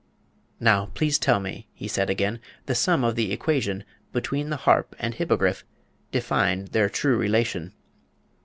"'Now, please tell me,' he said again, 'The sum of the equation Between the harp and hippogriff; Define their true relation.'